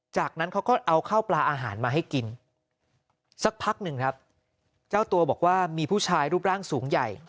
จากนั้นเขาก็เอาข้าวปลาอาหารมาให้กินสักพักหนึ่งครับเจ้าตัวบอกว่ามีผู้ชายรูปร่างสูงใหญ่